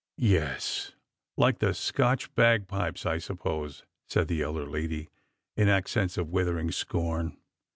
" Yes, like the Scotch bagpipes, I suppose," said the elder lady, in accents of withering scorn.